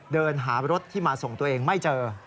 เดินหารถที่มาส่งตัวเองไม่เจอ